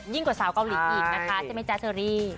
กว่าสาวเกาหลีอีกนะคะใช่ไหมจ๊ะเชอรี่